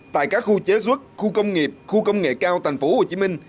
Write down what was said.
tại các khu chế xuất khu công nghiệp khu công nghệ cao thành phố hồ chí minh